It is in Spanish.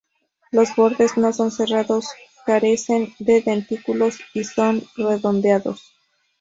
Los bordes no son serrados, carecen de dentículos y son redondeados.